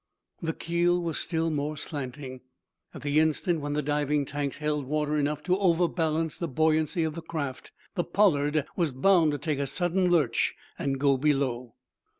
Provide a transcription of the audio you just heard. The keel was still more slanting. At the instant when the diving tanks held water enough to overbalance the buoyancy of the craft the "Pollard" was bound to take a sudden lurch and go below.